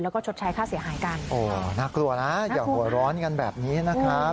แล้วก็ชดใช้ค่าเสียหายกันโอ้น่ากลัวนะอย่าหัวร้อนกันแบบนี้นะครับ